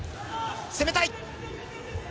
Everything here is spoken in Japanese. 攻めたい。